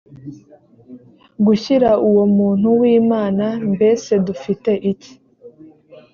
gushyira uwo muntu w imana mbese dufite iki